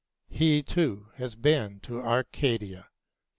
He too has been in Arcadia."